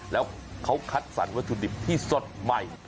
แล้วเค้าคัดทรรมวัสดิบที่สดใหม่